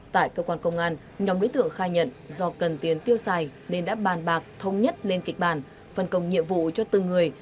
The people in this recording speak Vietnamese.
tại cơ quan công an nhóm đối tượng khai nhận do cần tiền tiêu xài nên đã bàn bạc thông nhất lên kịch bản phân công nhiệm vụ cho từng người